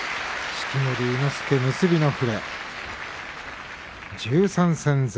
式守伊之助、結びの触れ。